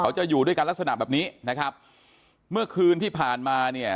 จะอยู่ด้วยกันลักษณะแบบนี้นะครับเมื่อคืนที่ผ่านมาเนี่ย